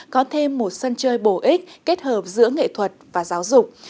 có thêm một sân chơi bổ ích kết hợp giữa nghệ thuật và giáo dục